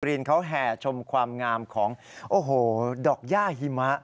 รินเขาแห่ชมความงามของโอ้โหดอกย่าหิมะ